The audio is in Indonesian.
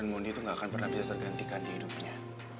dan mondi tuh gak akan pernah bisa tergantikan di hidupnya